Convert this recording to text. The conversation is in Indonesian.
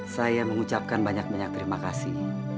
saya mengucapkan banyak banyak terima kasih